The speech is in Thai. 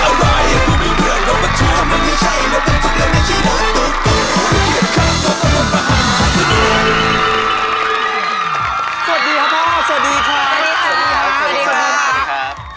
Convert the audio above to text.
สวัสดีครับสวัสดีครับ